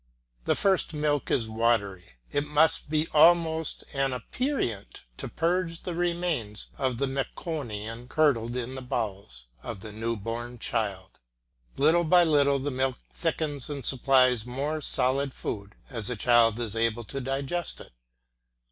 The first milk is watery, it must be almost an aperient, to purge the remains of the meconium curdled in the bowels of the new born child. Little by little the milk thickens and supplies more solid food as the child is able to digest it.